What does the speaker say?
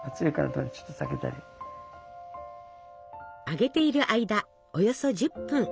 揚げている間およそ１０分。